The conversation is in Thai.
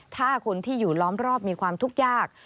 ถ้าคนที่อยู่ล้อมรอบมีความทุกข์ยาก